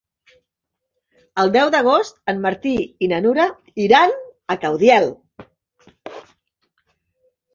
El deu d'agost en Martí i na Nura iran a Caudiel.